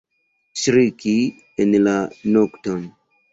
Ŝriki en la nokton!